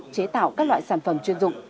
chế tạo các loại sản phẩm chuyên dụng